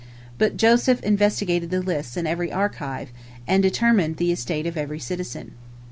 But Joseph investigated the lists in the archives, and determined the estate of every citizen.